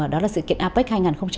đó là sự kiện apec hai nghìn một mươi bảy